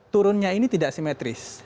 turunnya ini tidak simetris